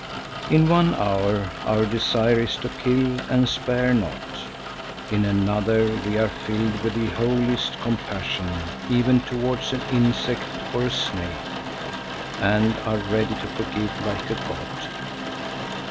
In one hour our desire is to kill and spare not; in another we are filled with the holiest compassion even towards an insect or a snake, and are ready to forgive like a god.